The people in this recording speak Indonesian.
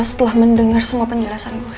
setelah mendengar semua penjelasan gue